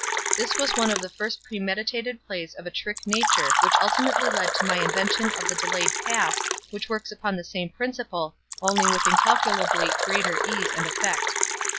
This was one of the first premeditated plays of a trick nature which ultimately led to my invention of the delayed pass which works upon the same principle only with incalculably greater ease and effect.